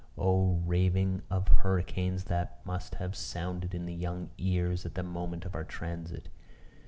Oh, raving of hurricanes that must have sounded in their young ears at the moment of our transit!